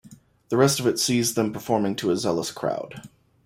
The rest of it sees them performing to a zealous crowd.